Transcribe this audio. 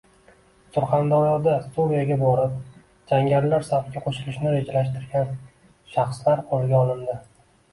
Surxondaryoda Suriyaga borib, jangarilar safiga qo‘shilishni rejalashtirgan shaxslar qo‘lga olindi